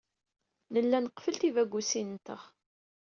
Nella nqeffel tibagusin-nteɣ.